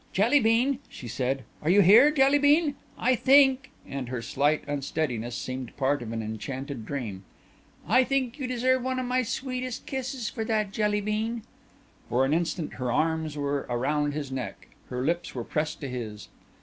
"Jelly bean," she said, "are you here, Jelly bean? I think " and her slight unsteadiness seemed part of an enchanted dream "I think you deserve one of my sweetest kisses for that, Jelly bean." For an instant her arms were around his neck her lips were pressed to his.